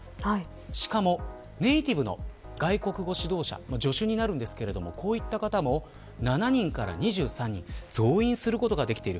しかもネーティブの外国語指導者助手になりますがこういった方も７人から２３人に増員できています。